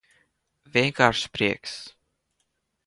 Vienkāršs prieks.